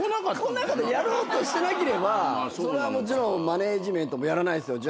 やろうとしてなければそりゃもちろんマネジメントもやらないですよ。